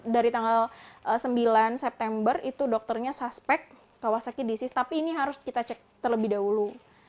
dari tanggal sembilan september dokternya suspek kawasaki disis tapi ini harus kita cek terlebih dahulu